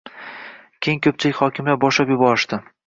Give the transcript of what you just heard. keyin ko‘pchilik hokimlar boshlab yuborishdi.